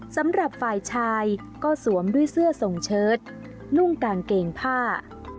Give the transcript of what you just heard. สำหรับฝ่ายชายก็สวมด้วยเสื้อทรงเชิดนุ่งกางเกงผ้า